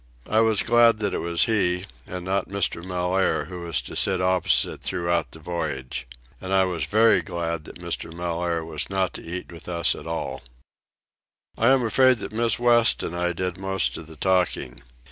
I was glad that it was he, and not Mr. Mellaire, who was to sit opposite throughout the voyage. And I was very glad that Mr. Mellaire was not to eat with us at all. I am afraid that Miss West and I did most of the talking.